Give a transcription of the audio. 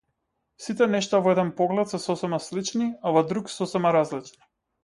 Сите нешта во еден поглед се сосема слични, а во друг сосема различни.